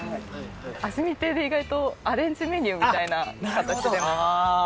味見亭で意外とアレンジメニューみたいな形で出てきますよね。